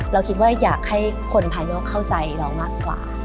เราคิดว่าอยากให้คนภายนอกเข้าใจเรามากกว่า